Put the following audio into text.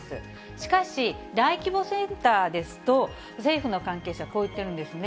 しかし、大規模センターですと、政府の関係者、こう言ってるんですね。